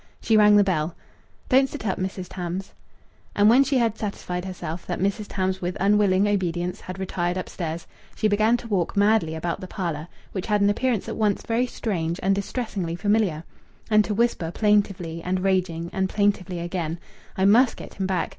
She rang the bell. "Don't sit up, Mrs. Tams." And when she had satisfied herself that Mrs. Tams with unwilling obedience had retired upstairs, she began to walk madly about the parlour (which had an appearance at once very strange and distressingly familiar), and to whisper plaintively, and raging, and plaintively again: "I must get him back.